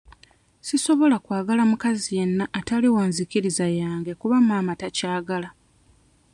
Sisobola kwagala mukazi yenna atali wa nzikiriza yange kuba maama takyagala.